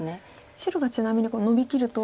白がちなみにノビきると。